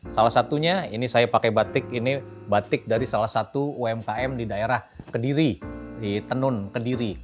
salah satunya ini saya pakai batik ini batik dari salah satu umkm di daerah kediri di tenun kediri